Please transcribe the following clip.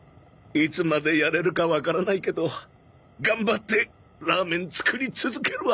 いつまでやれるかわからないけど頑張ってラーメン作り続けるわ。